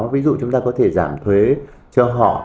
ví dụ chúng ta có thể giảm thuế cho họ